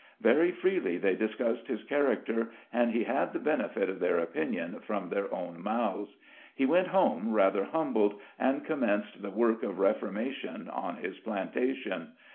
Very freely they discussed his character, and he had the benefit of their opinion from their own mouths. He went home rather humbled, and commenced the work of reformation on his plantation.